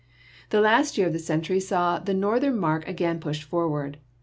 The last year of the century saw the northern mark again pushed forward.